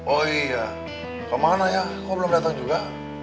oh iya kau mana ya kau belum datang juga